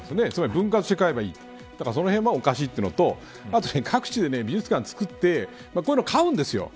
分割して買えばいいというのはおかしいというのと各地で美術館を作ってこういうのを買うんです。